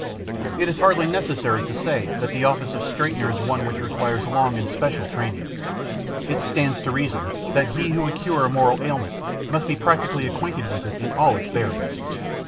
It is hardly necessary to say that the office of straightener is one which requires long and special training. It stands to reason that he who would cure a moral ailment must be practically acquainted with it in all its bearings.